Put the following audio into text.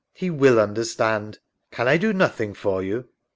ALLEYNE. He wiU Understand. Can I do nothing for you?